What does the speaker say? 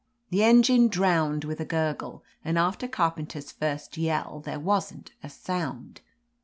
The engine drowned with a gurgle, and after Carpenter's first yell there wasn't a sound.